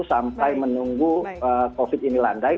sampai menunggu covid ini landai